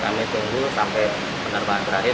kami tunggu sampai penerbangan berakhir